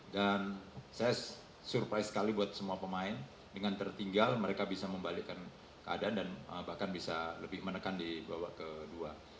dan saya surprise sekali buat semua pemain dengan tertinggal mereka bisa membalikkan keadaan dan bahkan bisa lebih menekan di bawah kedua